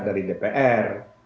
surat dari dpr